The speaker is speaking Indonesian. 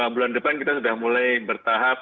bulan depan kita sudah mulai bertahap